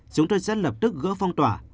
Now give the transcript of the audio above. chúng tôi sẽ lập tức gỡ phong tỏa